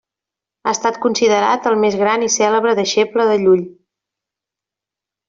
Ha estat considerat el més gran i cèlebre deixeble de Llull.